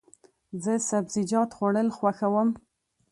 زه سبزیجات خوړل خوښوم.